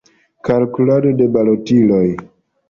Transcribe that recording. Kalkulado de balotiloj.